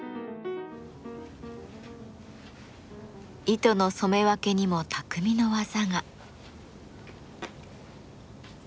糸の染め分けにも匠の技が。